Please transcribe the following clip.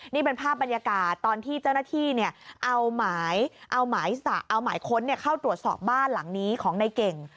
นี่เป็นภาพบรรยากาศตอนที่เจ้าหน้าที่เอาหมายค้นเข้าตรวจสอบบ้านหลังนี้ของในเก่ง